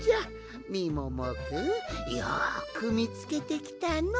みももくんよくみつけてきたの。